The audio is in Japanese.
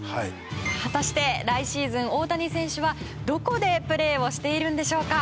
果たして来シーズン大谷選手はどこでプレーをしているんでしょうか？